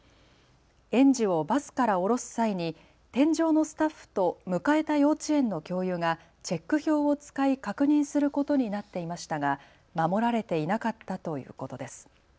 園児をバスから降ろす際に添乗のスタッフと迎えた幼稚園の教諭がチェック表を使い確認することになっていましたが守られていなかったということです。